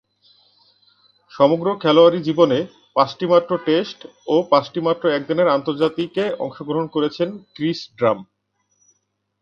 সমগ্র খেলোয়াড়ী জীবনে পাঁচটিমাত্র টেস্ট ও পাঁচটিমাত্র একদিনের আন্তর্জাতিকে অংশগ্রহণ করেছেন ক্রিস ড্রাম।